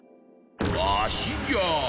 わしじゃ！